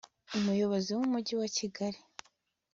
umuyobozi w'umujyi wa kigali